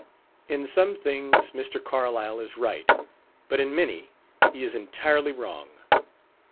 In some things, Mr. Carlyle is right: but in many, he is entirely wrong.